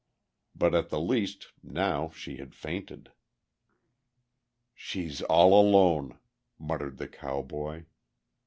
But at the least now she had fainted. "She's all alone," muttered the cowboy.